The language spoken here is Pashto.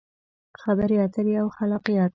خبرې اترې او خلاقیت: